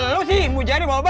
lu si mu jaheer yang bawa bawa